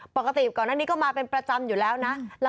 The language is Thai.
ปกติก่อนหน้านี้ก็มาเป็นประจำอยู่แล้วนะ